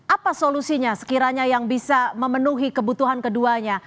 apa solusinya sekiranya yang bisa memenuhi kebutuhan keduanya